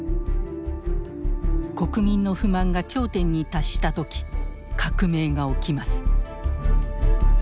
国民の不満が頂点に達した時革命が起きます。